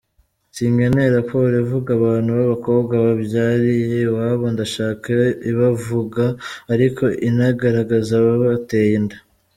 Sinkeneye raporo ivuga abana b’abakobwa babyariye iwabo, ndashaka ibavuga ariko inagaragaza ababateye inda.